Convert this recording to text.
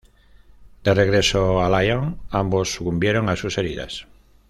De regreso a Lyon, ambos sucumbieron a sus heridas.